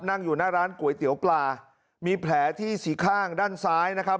นั่งอยู่หน้าร้านก๋วยเตี๋ยวปลามีแผลที่สี่ข้างด้านซ้ายนะครับ